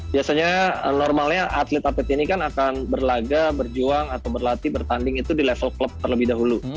biasanya normalnya atlet atlet ini kan akan berlaga berjuang atau berlatih bertanding itu di level klub terlebih dahulu